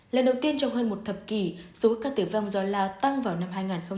lần đầu tiên trong hơn một thập kỷ số các tử vong do lao tăng vào năm hai nghìn hai mươi